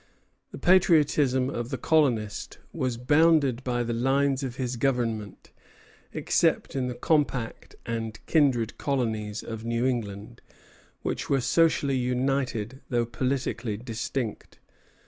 The patriotism of the colonist was bounded by the lines of his government, except in the compact and kindred colonies of New England, which were socially united, though politically distinct.